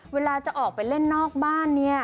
เวลาจะออกไปเล่นนอกบ้านเนี่ย